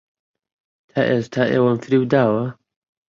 تا ئێستا ئێوەم فریوداوە؟